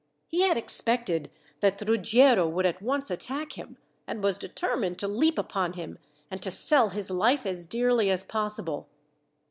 He had expected that Ruggiero would at once attack him, and was determined to leap upon him, and to sell his life as dearly as possible.